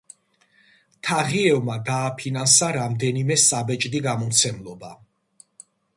თაღიევმა დააფინანსა რამდენიმე საბეჭდი გამომცემლობა.